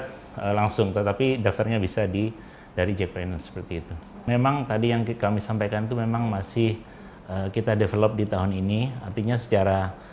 kapanpun dan dimanapun melalui laman jack prner